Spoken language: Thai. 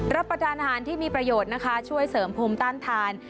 รับประทานอาหารที่มีประโยชน์นะคะช่วยเสริมภูมิต้านทาน